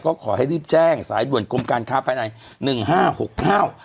ก็ขอให้รีบแจ้งสายด่วนกรมการค้าภายในหนึ่งห้าหกห้า